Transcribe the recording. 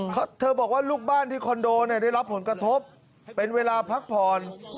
เธอบอกว่าลูกบ้านที่คอนโดเนี่ยได้รับผลกระทบเป็นเวลาพักผ่อน